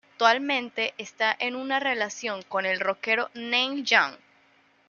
Actualmente está en una relación con el rockero Neil Young.